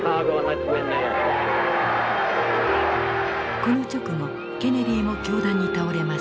この直後ケネディも凶弾に倒れます。